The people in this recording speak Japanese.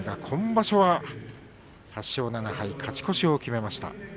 今場所は８勝７敗勝ち越しを決めました。